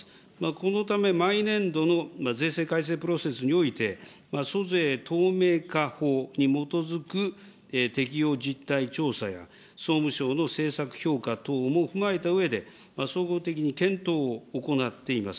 このため毎年度の税制改正プロセスにおいて、租税透明化法に基づく、適用実態調査や総務省の政策評価等も踏まえたうえで、総合的に検討を行っています。